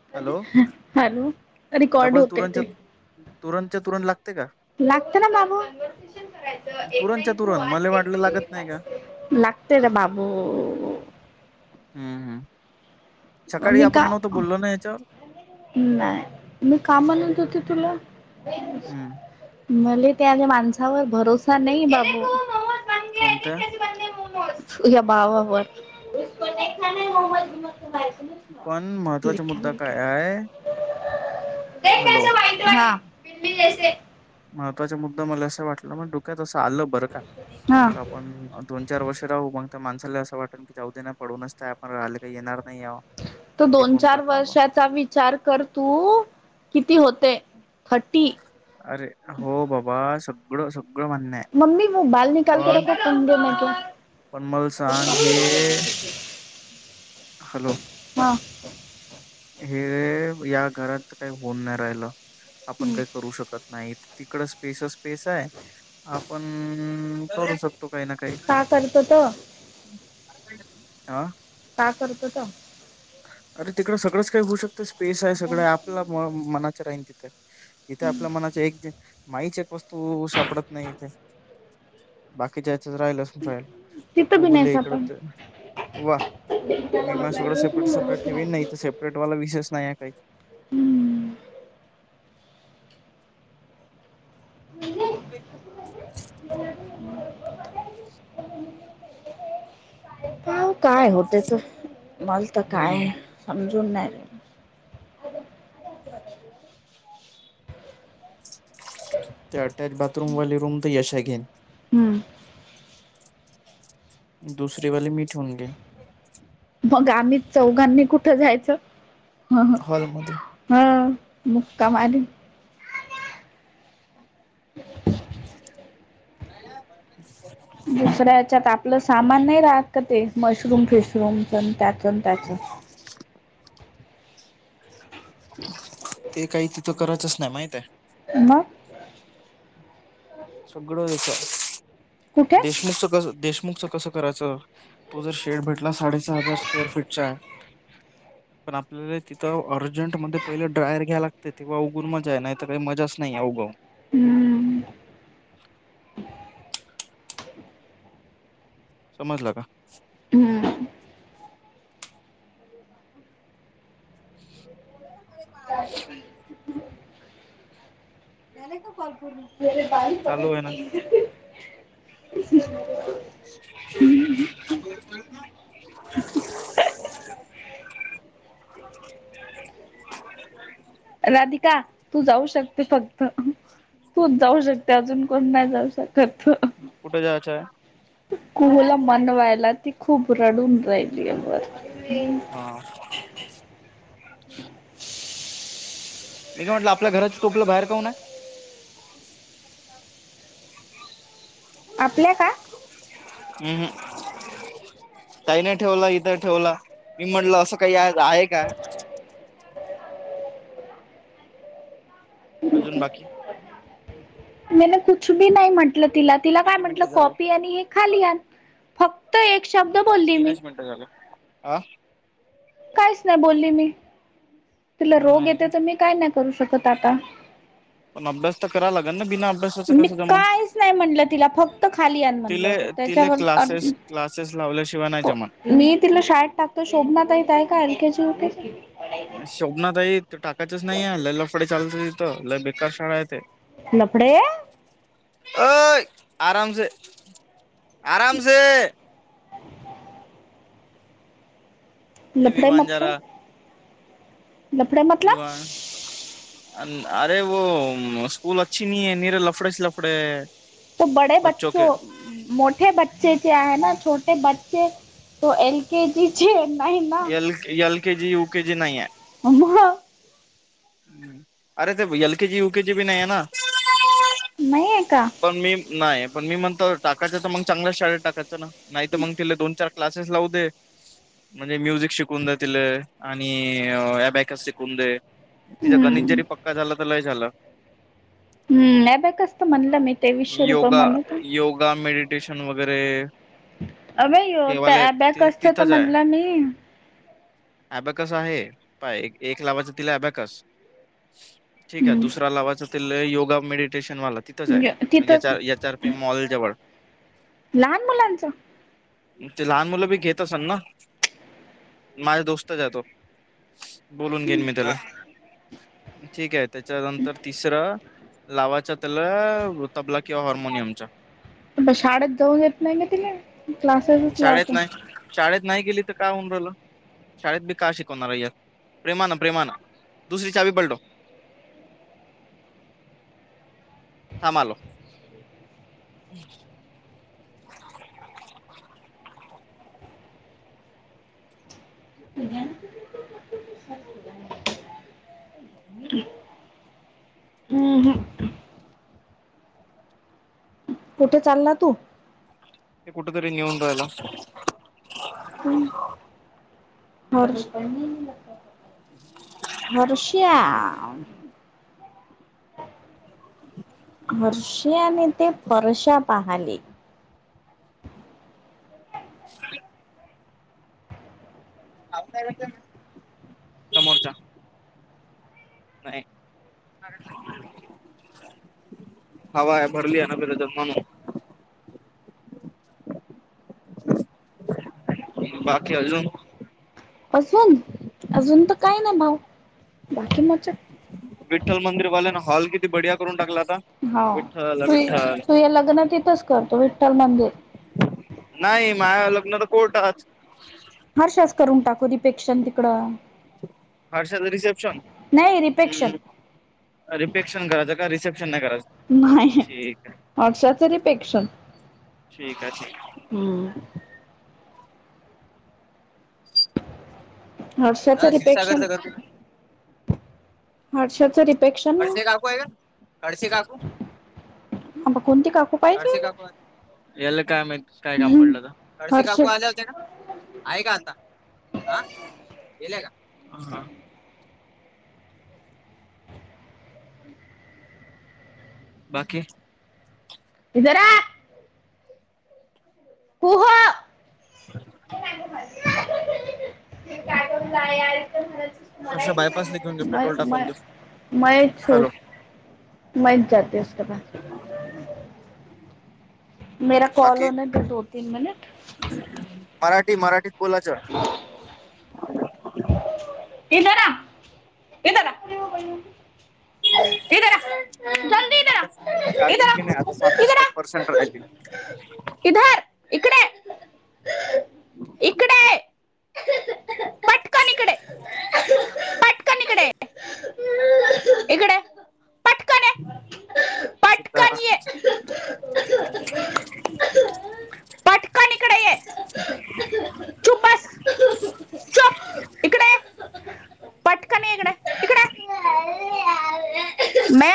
Hello hello record double होते ते तुरंच्या तुरंतच्या तुरंत लागते का लागते ना मामू तुरंतच्या तुरंत मला वाटलं लागत नाही का लागते ना बाबू हम् हम म मी का ना याच्यावर नाही मी का म्हणत होते तुला हम्म मले त्या माणसावर भरोसा नाही बाबू कोणत [unintelligible] [unintelligible] ्या बाबा बन पण महत्वाचा मुद्दा काय आहे हॅलो लिखा हा महत्त्वाचा मुद्दा मला असं वाटलं म डोक्यातसं आलं बरं का हा का पण दोन चार वर्ष राहू मग त्या माणसाला असं वाटेल की जाऊ देना पडूनच काय आपण राहिले काही येणार नाही या तर दोन चार वर्षाचा वि वीचार कर तू किती होते फठी अरे हो बाबा सगळं सगळं मान्य आहे मम्मी म मोबाईल निकाल के पण रखो तंगे मगे पण मला सांग हे हॅलो हा हे या घरात काही होऊन नाही राहिलं आपण काही करू शकत नाहीत तिकड स्पेस स्पेस आहे आपण करू शकतो तो काही ना काही का करतो तो हा का करतो का अरे तिकड सगळंच काही होऊ शकतं स्पेस आहे सगळं आपल्या मनाच राहीन त इथे आपल्या मनाच एक जे माहीच एक वस्तू सापडत नाही इथे बाकीच्याच राहिल फल तर तिथं बी कुगल नाहीस इकड आपण तर वा विमा सगळं सेपरेट सेपरेट ठेवेन नाही तर सेपरेट वाला विशेष नाही आहे काही हम्म े का काय होते त मला तर काय हम्म समजून नाही रहिला ते अटॅच बाथरूम वाले रूम तर यशा घेइन हम्म दुसरी वली मी ठेऊन घेइन मग आम्ही चौघांनी कुठं जायचं हॉल मध्ये हा मुक्कामारी दुसऱ्याच्यात आपलं सामान नाही राहत का ते मशरूम फिशरूमचण त्याचण त्याच ते काही तिथं करायचच नाही माहित आहे म सगळं कुठे देशमुखच कस देशमुखच कसं करायचं तो जर शेड भेटला साडेसहा हजार स्क्वेअर फिटचा आहे ह पण आपल्याला तिथं अर्जंटमध्येण पहिले ड्रायर घ्याय लागते तेव्हा उघडून मजा आहे नाही तर काही मजाच नाही अवगव हम्म समजला का हम्म कोणाला पाहला नाहीला का कॉपर् बाारी फट ब राधिका तू जाऊ शकते फक्त तू जाऊ शकते अजून कोण नाही जाऊ शकत तू कुठे जायचंय कुहला मनवायला ती खूप रडून राहिली म हा मी म्हटलं आपल्या घराचं तोपलं बाहेर कान आहे ह आपल्या का हम् हम काही नाही ठेवलं इथं ठेवलं मी म्हणलं असं काही आहे का अजून बाकी मी कु बी नाही म्हंटलं तिला तिला काय किती म्हंटलं मिनिटं झालं कॉपी आणि हे खाली फक्त एक शब्द बोलले तीनच मिनटं झाली ह काईच नाय बोलली मी तिला रोग नाही येतय त मी काय नाय करू शकत आता पण अभ्यास त कराय लागनं ना बिना अभ्यास मी काईच नाय म्हणलं तिला फक्त खाली आणं म्हणलं तिले होतं तिले त्याच्यावर अ क्लासेस क्लासेस लावल्याशिवाय नाय जमण मी तिला शाळेत टाकतो शोभनातायेत आहे का L K G U K G शोभनाताई ते टाकायचंच नाहीये लय लफडे चालत तिथं लय बेकार शाळा हाय ते लपडे अय आरामसे आरामसे लफडेे विवान मतलब जरा लफडेे मतलब विवान अरे वो स्कूल अच्छी नही ये नीर लफडेेचं लफडे ये. ते बडेे बच्चो मोठे ब से ते आहे ना छोटे बच्चे तो एल के जी चे नाही ना L L K G U K G नाही आहे मग अरे ते एल के जी यु के जी बी नाहीये ना नाहीये. पण मी नाये पण मी म्हणतो टाकायचं तर मंग चांगल्याच शाळेत टाकायचं ना नाय त मंग तिले दोन चार क्लासेस लावू दे. म्हणजे म्युझिक शिकून दया तिलं आणि अबॅकस शिकून दे. तिजा गणित हम्म जरी पक्का झाला तर लय झालं. हम्म अबॅकस म्हणलं मी तेवीसशे रुपये योगा म्हणत योगा मेडिटेशन वगैरे अबे यो त्या हेवाले अबॅकस त तिथंच म्हणलं मी ॲबॅकस आहे पाय एक लावायचं तिला ॲबॅकस ठीक ये हम्म दुसरा लावाचा तिले योगा मेडिटेशन वाला तिथंच हाय म्हणजे तिथंच एच आर एच आर पे मॉल जवळ लहान मुलांचं ते लहान मुलं बी घेत असन ना माझ्या दोस्तच ये तो. बोलून घेईन मी त्याला ठीकये त्याच्यानंतर तिसरं लावाच त्याला तबला किंवा हार्मोनियमचा मं शाडेत जाऊ देत नाय म तिला हम्म, क्लासेसच शाळेत लावतो. नाही शाळेत नाय गेली त काय होऊन राहिलं. शाळेत बी का शिकवणार य, प्रेमानं प्रेमानं दुसरी चावी पलटो थांब आलो. [unintelligible] [unintelligible] हम्म हम्म कुठ चालला तू ते कुठ तरी नेऊन रायलो. हर्ष हर्ष्या [unintelligible] हर्षाने ते फर्शा पाहाले. [unintelligible] आवदा भेटतय नं. नाय. हवा भरलीया ना तेज्यात म्हणून बाकी अजून अजून अजून त काय ना भाऊ बाकी मजेत विठ्ठल मंदिरवाल्या ना हॉल किती बढिया करून टाकला आता हाव विठ्ठल तुये विठ्ठल तुये लग्न तिथंच करतो विठ्ठल मंदिर नाय माया लग्न त कोर्टात हर्षास करून टाकू तीपेक्षन तिकडं. हर्षा च रिसेप्शन? नाही रिफेक्शन. हम्म रिपेक्शन करायचं का रिसेप्शन नाही करायचं ठीक आहे. हर्षाचरीपेक्षण. ठीक आहे. हम्म. हर्षाच हा रिपेशन. क्षीरसागरचं घर कुठे हर्षाचं रिफेक्शन खडसे काकू आहे का खडसे काकू कोणती काकू. पाहिजे कळशी काकू याल काय मा काय काम पडलं तर कळशी हर्ष काकू आल्या होते का? आहे का आता ह गेलेय का. बाकी इधरा. पुुह. म काटून जा आहे आ तर असं बायपासला घेऊन म्हणा घे म पेट्रोल म टाकून दे मै छु. हॅलो मन जाततेत पा. [unintelligible] मेरा कॉल बाकी होणे दे दो तीन मिनिट. मराठी मराठी बोलायचं. इधर आ इधर आ इधर आ. माझ्या फोन मध्ये इधर आ चार्जिंगी नाही आता इधर सातष्ट आ इधर आ पर्सेंट राहिली. इधर इकडे इकडे ये. इकडे पटकन [unintelligible] इकडे इकडे ये. पटकन च तर पटकन ये [inaudible] पटकन इकडे ये चुप बस चुप इकडे ये. पटकन ये इकडे इकडे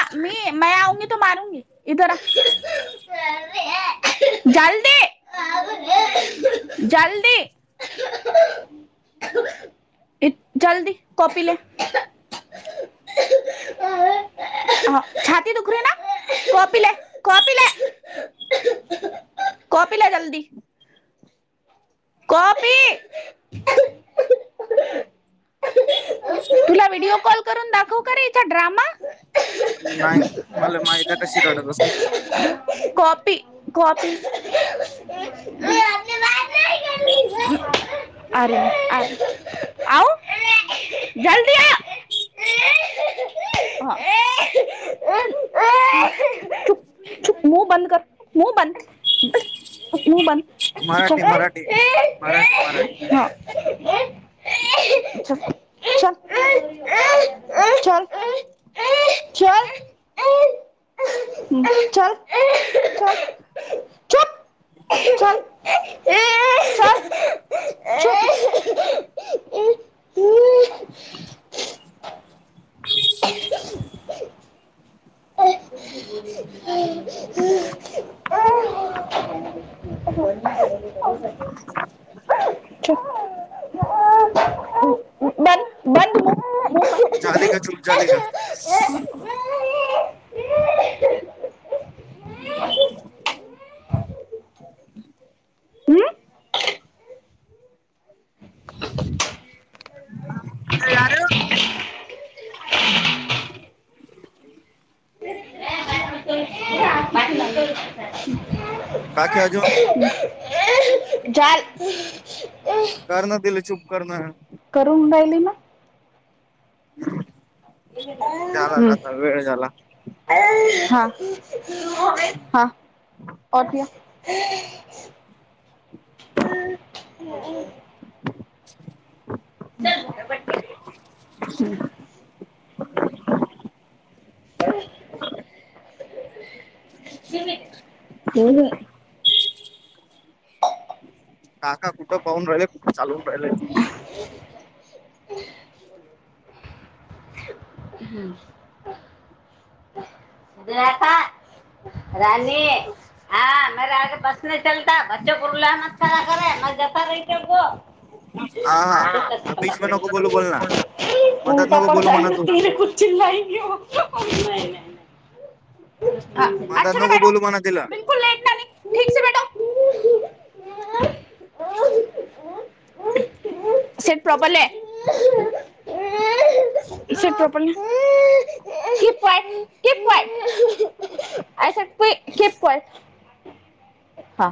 [unintelligible] तू मारूंगी इधर आ. ह. [unintelligible] जलदी हा आवुंगी. जलदी जलदी कॉपी ले. ह छाती दुखरे ना कॉपी ले कॉपी ले. कॉपीला जल्दी. कॉफी. तुला व्हिडिओ कॉल करून दाखवु का रे ड्रामा. नाही मला माहीत कशि रडत बसते. Copy copy. अरे अरे आ जलदी. [unintelligible] चुप. मु बंद. मु बंद. मराठी मराठी मराठी मराठी. हा. चल चल. चल. चल चल. चल. चुप चल. ह [inaudible] [inaudible] ह बंद बंद म झाले का चूप झाले का हम्म? याार बाकी अजून झाल करणं दिला चूप करणं ू राहिली म झाला हम्म. जा वेळ झाला हा होती देखा काका कुठं पाहून राहिलंय कुठं चालून राहिलय हम्म का राणी बस नाही चलता बच्चो को रुला मत खड करे म ज रत हा हा बीच मध्ये नको बोलू बोल ना मधात उलटा नको पड बोलू म्हणा तू त चिलाई घे नाही नाही मधात अछ ना नको बॅडा बोलू म्हणा तिला ठीकच बेटा स प्रबले शट प्रप शिपट हा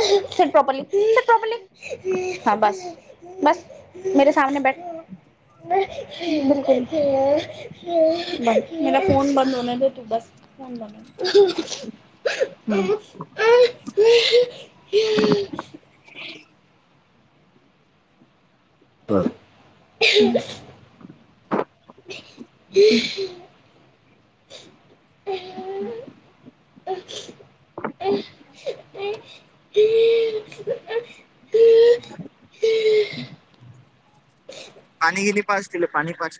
प्रॉपरली प्रॉपली हा बस बस मे समने ब मर कोण मरा फोन बंद होण्या द तू बस फोन ब म ह बर ह हम्म. [inaudible] पाणी गेले पाच दि पाणी पा